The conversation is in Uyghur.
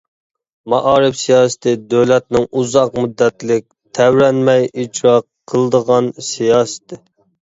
مائارىپ سىياسىتى دۆلەتنىڭ ئۇزاق مۇددەتلىك، تەۋرەنمەي ئىجرا قىلىدىغان سىياسىتى.